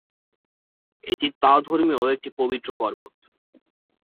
এটি তাওধর্মীয় একটি পবিত্র পর্বত।